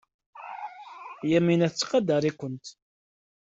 Yamina tettqadar-ikent.